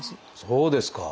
そうですか。